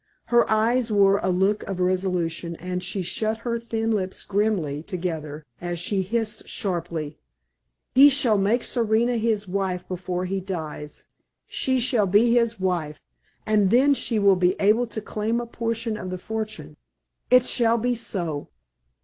Her eyes wore a look of resolution, and she shut her thin lips grimly together as she hissed, sharply: "He shall make Serena his wife before he dies! She shall be his wife; and then she will be able to claim a portion of the fortune. It shall be so!"